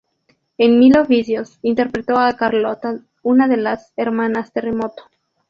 En "Mil oficios" interpretó a Carola, una de las "Hermanas terremoto".